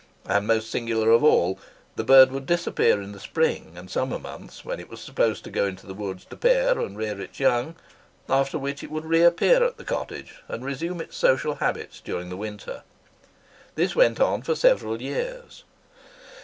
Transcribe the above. And most singular of all, the bird would disappear in the spring and summer months, when it was supposed to go into the woods to pair and rear its young, after which it would reappear at the cottage, and resume its social habits during the winter. This went on for several years.